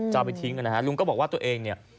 เอาไปทิ้งนะฮะลุงก็บอกว่าตัวเองเนี่ย